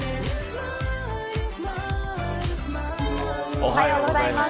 おはようございます。